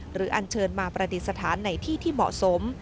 อันเชิญมาประดิษฐานในที่ที่เหมาะสม